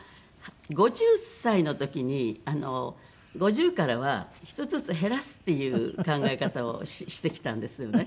５０歳の時に５０からは一つずつ減らすっていう考え方をしてきたんですよね。